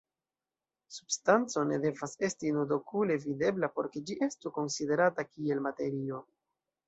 Substanco ne devas esti nud-okule videbla por ke ĝi estu konsiderata kiel materio.